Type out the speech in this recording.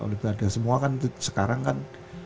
olimpiade semua kan sekarang kan